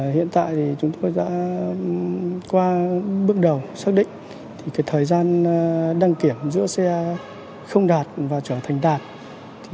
hiện tại thì chúng tôi đã qua bước đầu xác định thời gian đăng kiểm giữa xe không đạt và trở thành đạt